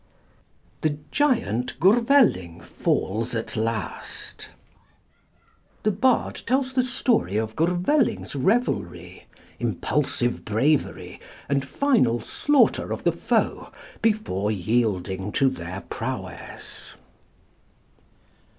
THE GIANT GWRVELING FALLS AT LAST [The bard tells the story of Gwrveling's revelry, impulsive bravery, and final slaughter of the foe before yielding to their prowess.